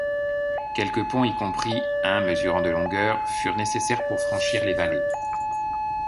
Quelques ponts, y compris un mesurant de longueur, furent nécessaires pour franchir les vallées.